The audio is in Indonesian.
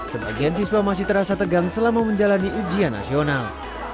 sebagian siswa masih terasa tegang selama menjalani ujian nasional